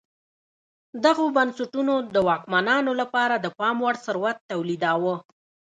دغو بنسټونو د واکمنانو لپاره د پام وړ ثروت تولیداوه